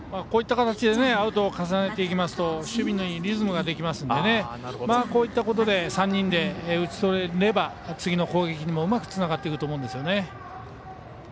こういった形でアウトを重ねていきますと守備のいいリズムができますのでこういったことで３人で打ち取れれば次の攻撃にもうまくつながっていくと思うんですよね。